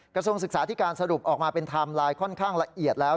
กระทรวงศึกษาธิการสรุปออกมาเป็นไทม์ไลน์ค่อนข้างละเอียดแล้ว